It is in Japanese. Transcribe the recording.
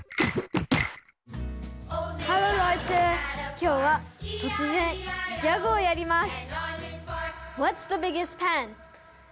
きょうはとつぜんギャグをやります。